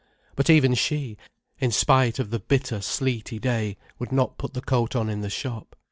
But even she, in spite of the bitter sleety day, would not put the coat on in the shop.